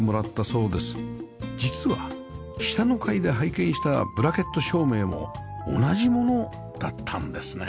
実は下の階で拝見したブラケット照明も同じものだったんですね